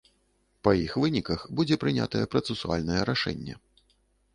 Па іх выніках будзе прынятае працэсуальнае рашэнне.